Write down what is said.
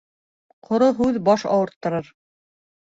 Ҡоро һүҙ баш ауырттырыр.